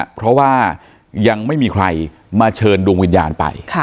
เพราะว่ายังไม่มีใครมาเชิญดวงวิญญาณไป